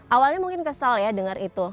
awalnya mungkin kesal ya dengar itu